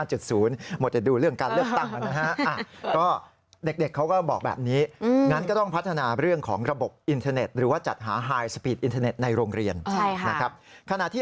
หมดแต่ดูเรื่องการเลือกตั้งนะฮะ